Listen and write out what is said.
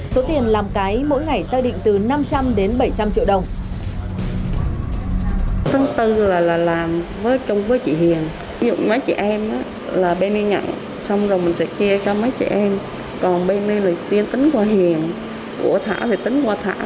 số tiền làm cái mỗi ngày xác định từ năm trăm linh đến bảy trăm linh triệu đồng